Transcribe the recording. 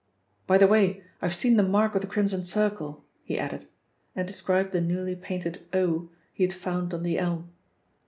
By the way, I have seen the mark of the Crimson Circle," he added, and described the newly painted "O" he had found on the elm.